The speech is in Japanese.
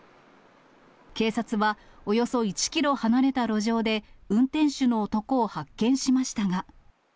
警察はおよそ１キロ離れた路上で、運転手の男を発見しましたが。